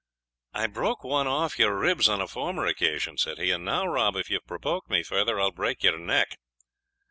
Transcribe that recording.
"I broke one off your ribs on a former occasion," said he, "and now, Rob, if you provoke me farther, I will break your neck."